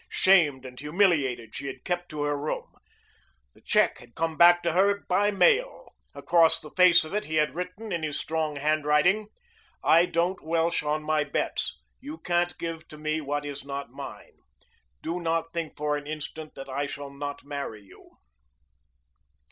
Shamed and humiliated, she had kept to her room. The check had come back to her by mail. Across the face of it he had written in his strong handwriting: I don't welsh on my bets. You can't give to me what is not mine. Do not think for an instant that I shall not marry you.